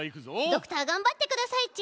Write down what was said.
ドクターがんばってくださいち。